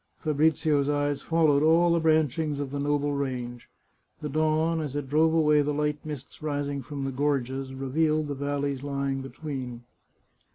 Fabrizio's eye followed all the branchings of the noble range ; the dawn, as it drove away the light mists ris ing from the gorges, revealed the valleys lying between.